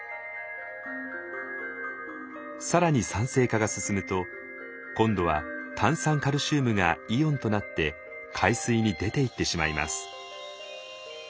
更に酸性化が進むと今度は炭酸カルシウムがイオンとなって海水に出ていってしまいます。